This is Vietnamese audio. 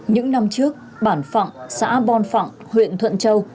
những năm trước bản phạng xã bon phạng huyện thuận châu